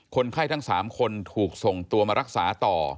คนไข้ทั้ง๓คนถูกส่งตัวมารักษาต่อ